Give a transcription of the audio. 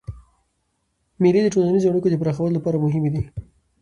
مېلې د ټولنیزو اړیکو د پراخولو له پاره مهمي دي.